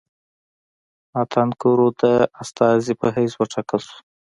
ناتان کرو د استازي په حیث وټاکل شو.